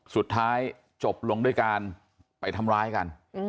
สุดท้ายจบลงด้วยการไปทำร้ายกัน